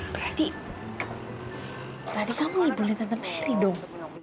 berarti tadi kamu ngibulin tante merry dong